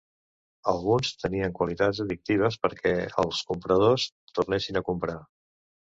Alguns tenien qualitats addictives perquè els compradors tornessin a comprar.